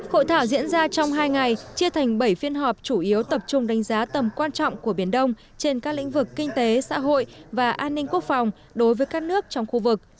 hội thảo diễn ra trong hai ngày chia thành bảy phiên họp chủ yếu tập trung đánh giá tầm quan trọng của biển đông trên các lĩnh vực kinh tế xã hội và an ninh quốc phòng đối với các nước trong khu vực